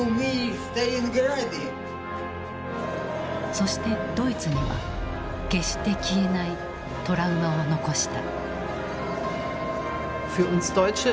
そしてドイツには決して消えない「トラウマ」を残した。